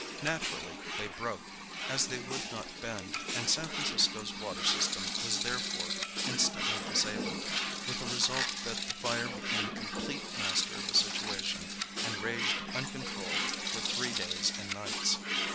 Naturally they broke, as they would not bend, and San Francisco's water system was therefore instantly disabled, with the result that the fire became complete master of the situation and raged uncontrolled for three days and nights.